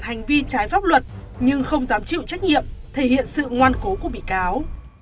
hành vi trái pháp luật nhưng không dám chịu trách nhiệm thể hiện sự ngoan cố của bị cáo